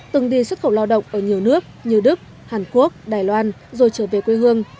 từng đi xuất khẩu lao động ở nhiều nước như đức hàn quốc đài loan rồi trở về quê hương